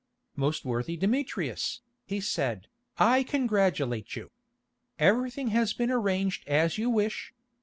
"Most worthy Demetrius," he said, "I congratulate you. Everything has been arranged as you wish.